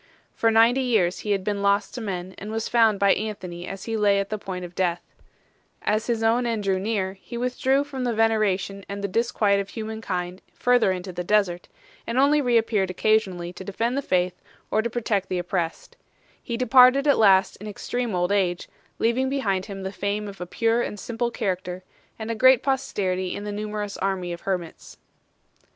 For ninety years he had been lost to men, and was found by Anthony as he lay at the point of death. As his own end drew near, he withdrew from the veneration and the disquiet of human kind further into the desert, and only reappeared occasionally to defend the faith or to 1 Jerome, Vita Pauli Eremites; Opp. n. 1, ed. Vallarsi. Social Life and Ceremonies of the Church. 147 protect the oppressed. He departed at last in extreme old age, leaving behind him the fame of a pure and simple character, and a great posterity in the numerous army of hermits.